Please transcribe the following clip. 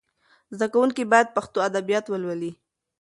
زده کونکي باید پښتو ادبیات ولولي.